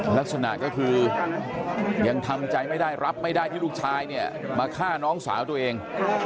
ลักษณะก็คือยังทำใจไม่ได้รับไม่ได้ที่ลูกชายเนี่ยมาฆ่าน้องสาวตัวเอง